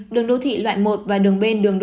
đường đô thị loại một và đường bên đường